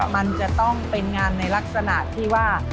มันจะต้องเป็นงานในลักษณะที่ว่า